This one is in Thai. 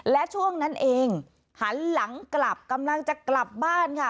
และช่วงนั้นเองหันหลังกลับกำลังจะกลับบ้านค่ะ